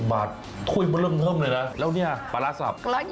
๑๕๐บาทถ้วยมาเริ่มเลยนะแล้วนี่ปลารัสสับ